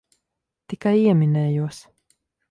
Tikai ieminējos.